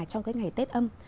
trong cái ngày tết âm